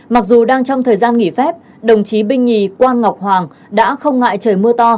mặc dù đang trong thời gian nghỉ phép đồng chí binh nhì quan ngọc hoàng đã không ngại trời mưa to